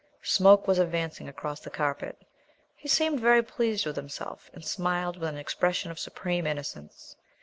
Smoke was advancing across the carpet. He seemed very pleased with himself, and smiled with an expression of supreme innocence.